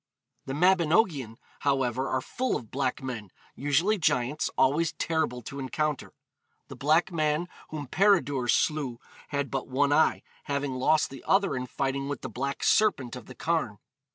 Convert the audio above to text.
The Mabinogion, however, are full of black men, usually giants, always terrible to encounter. The black man whom Peredur slew had but one eye, having lost the other in fighting with the black serpent of the Carn.